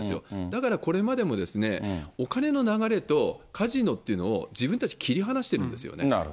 だからこれまでもお金の流れとカジノというのを自分たち、切り離してるんですよね。